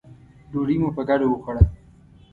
ډوډۍ مو په ګډه وخوړه.